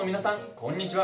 こんにちは。